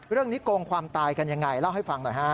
เรื่องนี้โกงความตายกันอย่างไรเล่าให้ฟังหน่อยฮะ